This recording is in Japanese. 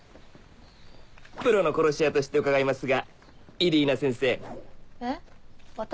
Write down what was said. プロの殺し屋として伺いますがイリーナ先生え私？